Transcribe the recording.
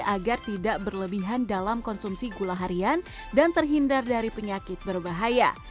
agar tidak berlebihan dalam konsumsi gula harian dan terhindar dari penyakit berbahaya